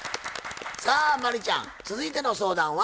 さあ真理ちゃん続いての相談は？